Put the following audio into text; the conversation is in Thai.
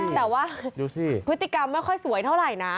แต่ว่าดูสิพฤติกรรมไม่ค่อยสวยเท่าไหร่นะ